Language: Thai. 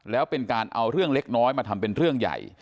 แล้วเป็นการเอาเรื่องเล็กน้อยมาทำเป็นเรื่องใหญ่